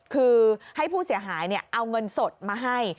คือให้ผู้เสียหายเอาเงินสดมาให้